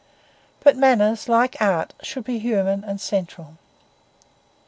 But manners, like art, should be human and central.